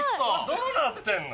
どうなってんの？